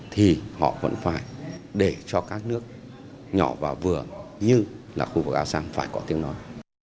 thì họ vẫn phải để cho các nước nhỏ và vừa như là khu vực asean phải có tiếng nói